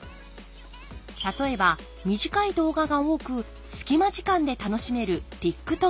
例えば短い動画が多く隙間時間で楽しめるＴｉｋＴｏｋ。